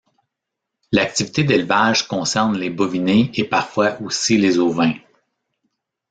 L'activité d'élevage concerne les bovinés et parfois aussi les ovins.